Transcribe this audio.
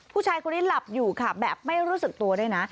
ผู้ชายคนนี้หลับอยู่ค่ะแบบไม่รู้สึกตัวด้วยนะ